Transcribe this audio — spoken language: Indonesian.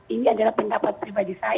ini adalah pendapat pribadi saya